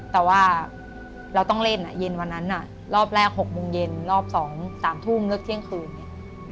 แต่ว่าเราต้องเล่นอ่ะเย็นวันนั้นน่ะรอบแรก๖โมงเย็นรอบ๒๓ทุ่มเลิกเที่ยงคืนเนี่ย